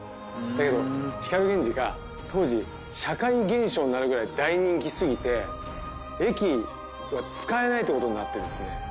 だけど光ＧＥＮＪＩが当時社会現象になるぐらい大人気すぎて駅は使えないって事になってですね。